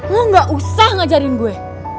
oh gak usah ngajarin gue